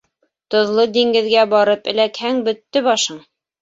Тоҙло диңгеҙгә барып эләкһәң, бөттө башың!